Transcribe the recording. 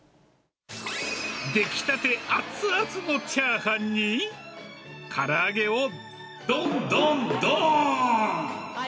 出来たて熱々のチャーハンに、から揚げをどんどんどーん。